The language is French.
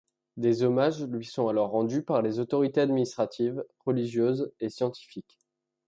Des hommages lui sont alors rendus par les autorités administratives, religieuses et scientifiques.